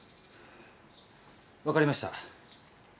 分かりました。